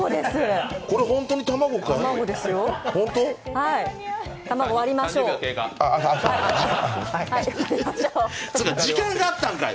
これ本当に卵かい？